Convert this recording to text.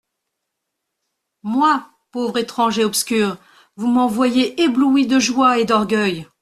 Moi, pauvre étranger obscur, vous m'en voyez ébloui de joie et d'orgueil.